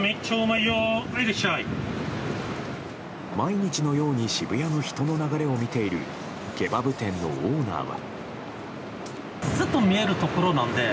毎日のように渋谷の人の流れを見ているケバブ店のオーナーは。